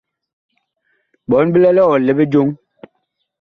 Bɔɔn bi lɛ liɔl li bijoŋ.